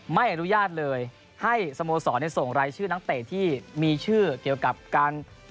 ไม่อนุญาตเลยให้สโมสรส่งรายชื่อนักเตะที่มีชื่อเกี่ยวกับการ